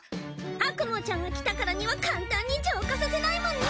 アクムーちゃんが来たからには簡単に浄化させないもんね！